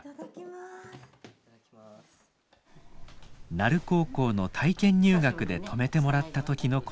奈留高校の体験入学で泊めてもらった時のことです。